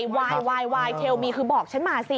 ทำไมทำไมทำไมบอกฉันมาสิ